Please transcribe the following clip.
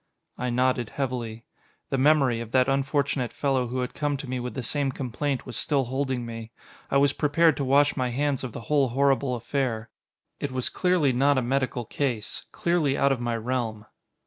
I nodded heavily. The memory, of that unfortunate fellow who had come to me with the same complaint was still holding me. I was prepared to wash my hands of the whole horrible affair. It was clearly not a medical case, clearly out of my realm.